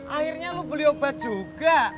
akhirnya lu beli obat juga